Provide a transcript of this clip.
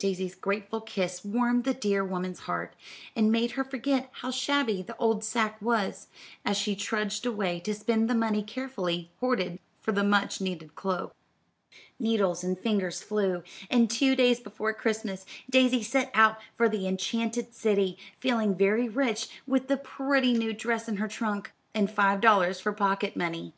Daisy's grateful kiss warmed the dear woman's heart, and made her forget how shabby the old sack was, as she trudged away to spend the money carefully hoarded for the much needed cloak. Needles and fingers flew, and two days before Christmas, Daisy set out for the enchanted city, feeling very rich with the pretty new dress in her trunk, and five dollars for pocket money.